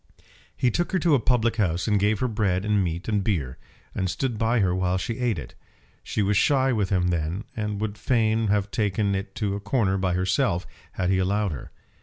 He took her to a public house and gave her bread and meat and beer, and stood by her while she ate it. She was shy with him then, and would fain have taken it to a corner by herself, had he allowed her.